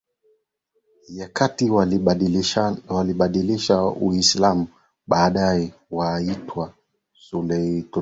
ya Kati walibadilisha Uislamu Baadaye waliitwa Seljuq Turks